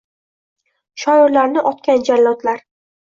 Shoirlarni otgan jallodlar